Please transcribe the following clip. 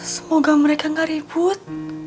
semoga mereka gak ribut